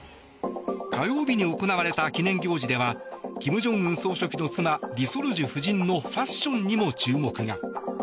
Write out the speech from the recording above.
火曜日に行われた記念行事では金正恩総書記の妻リ・ソルジュ夫人のファッションにも注目が。